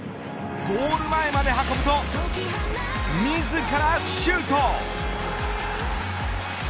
ゴール前まで運ぶと自らシュート。